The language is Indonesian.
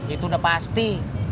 itu udah pasti